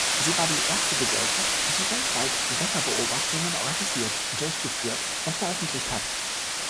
Sie war die erste Gesellschaft, die weltweit Wetterbeobachtungen organisiert, durchgeführt und veröffentlicht hat.